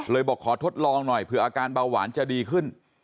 บอกขอทดลองหน่อยเผื่ออาการเบาหวานจะดีขึ้น